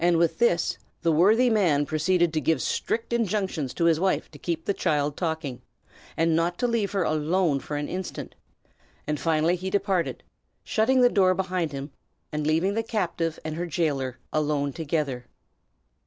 With this, the worthy man proceeded to give strict injunctions to his wife to keep the child talking, and not to leave her alone for an instant; and finally he departed, shutting the door behind him, and leaving the captive and her jailer alone together.